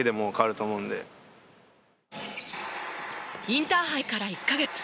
インターハイから１カ月。